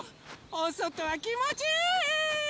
おそとはきもちいい！